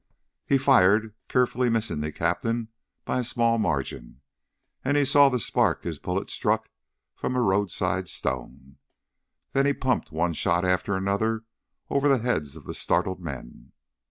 He fired, carefully missing the captain by a small margin, as he saw the spark his bullet struck from a roadside stone. Then he pumped one shot after another over the heads of the startled men.